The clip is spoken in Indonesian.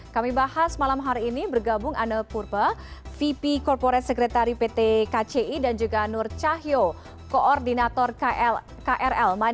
kami bahas malam hari ini bergabung anne purba vp corporate secretary pt kci dan juga nur cahyo koordinator krl